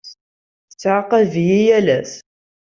Tettɛaqab-iyi yal ass.